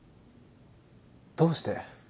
どうして？